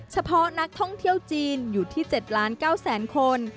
เฉพาะนักท่องเที่ยวจีนอยู่ที่๗๙๐๐คน